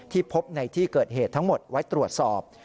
พบในที่เกิดเหตุทั้งหมดไว้ตรวจสอบ